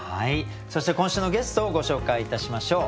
そして今週のゲストをご紹介いたしましょう。